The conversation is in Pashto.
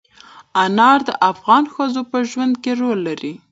انار د افغان ښځو په ژوند کې رول لري.